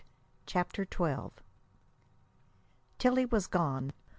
CHAPTER XII Tillie was gone.